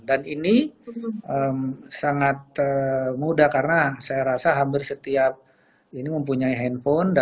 dan ini sangat mudah karena saya rasa hampir setiap ini mempunyai handphone dan itu aplikasinya ada